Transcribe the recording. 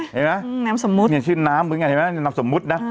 เห็นไหมน้ำสมมุตรชื่อน้ำเหมือนกันน้ำสมมุตรนะ